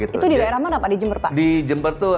itu di daerah mana pak di jember pak